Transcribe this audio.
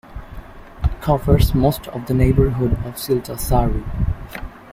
It covers most of the neighbourhood of Siltasaari.